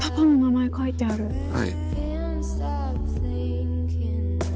はい。